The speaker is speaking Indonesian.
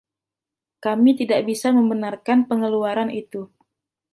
Kami tidak bisa membenarkan pengeluaran itu.